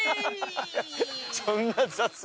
◆そんな雑に。